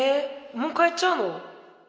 もう帰っちゃうの？